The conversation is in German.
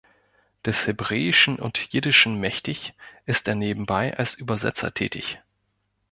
Des Hebräischen und Jiddischen mächtig, ist er nebenbei als Übersetzer tätig.